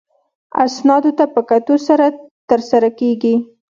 اسنادو ته په کتو سره ترسره کیږي.